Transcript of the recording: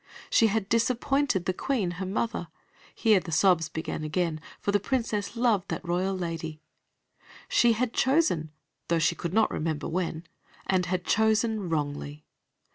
She had disappointed the Queen, her mother here the sobs began again, for the Princess loved that royal lady; she had chosen, though she could not remember when, and had chosen wrongly.